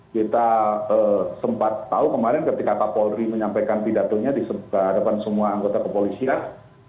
kita sempat tahu kemarin ketika pak polri menyampaikan pidatonya di depan semua anggota kepolisian